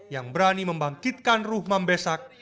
yang berani membangkitkan ruh mambesak